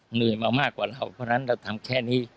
เหนื่อยมามากกว่าเราเพราะฉะนั้นเราทำแค่นี้